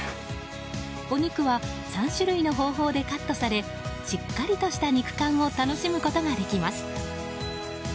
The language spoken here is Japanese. お肉は３種類の方法でカットされしっかりとした肉感を楽しむことができます。